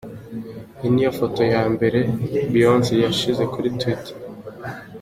Iyi niyo foto ya mbere Beyonce yashyize kuri twitter.